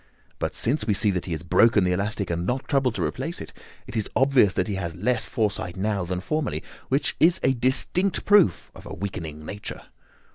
But since we see that he has broken the elastic and has not troubled to replace it, it is obvious that he has less foresight now than formerly, which is a distinct proof of a weakening nature.